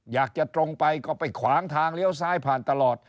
อยากจะตรงไปก็ไปขวางทางเลี้ยวซ้ายผ่านตลอด